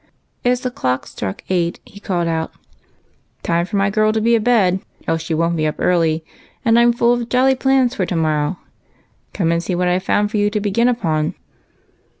As the clock struck eight, he called out, —" Time for my girl to be abed, else she won't be up early, and I 'm full of jolly plans for to morrow. Come and see what I have found for you to begin upon."